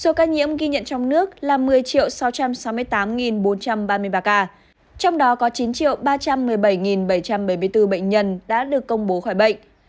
số ca nhiễm ghi nhận trong nước là một mươi sáu trăm sáu mươi tám bốn trăm ba mươi ba ca trong đó có chín ba trăm một mươi bảy bảy trăm bảy mươi bốn bệnh nhân đã được công bố khỏi bệnh